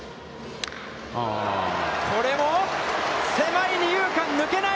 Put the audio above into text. これも、狭い二遊間抜けない！